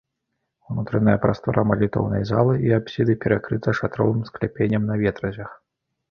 Унутраная прастора малітоўнай залы і апсіды перакрыта шатровым скляпеннем на ветразях.